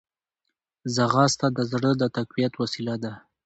ځغاسته د زړه د تقویت وسیله ده